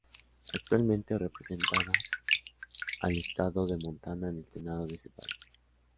Actualmente representada al estado de Montana en el Senado de ese país.